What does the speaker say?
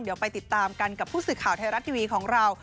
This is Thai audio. เดี๋ยวไปติดตามกันกับผู้สื่อข่าวไทยรัฐทีวีของเรา